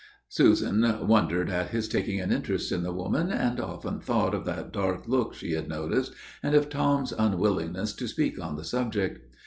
Susan wondered at his taking an interest in the woman, and often thought of that dark look she had noticed, and of Tom's unwillingness to speak on the subject.